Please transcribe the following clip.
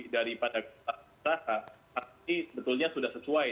dari pada pilihan artinya betulnya sudah sesuai